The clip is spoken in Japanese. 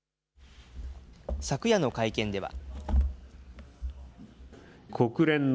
昨夜の会見では。